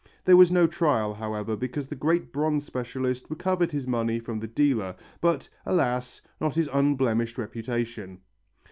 There was no trial, however, because the great bronze specialist recovered his money from the dealer but, alas! not his unblemished reputation.